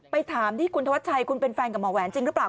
ถามที่คุณธวัชชัยคุณเป็นแฟนกับหมอแหวนจริงหรือเปล่า